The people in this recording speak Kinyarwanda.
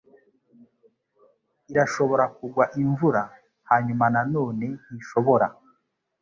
Irashobora kugwa imvura, hanyuma nanone, ntishobora.